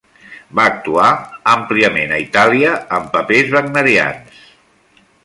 Va actuar àmpliament per Itàlia en papers wagnerians.